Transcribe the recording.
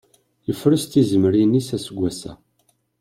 Yefres tizemmrin-is aseggas-a.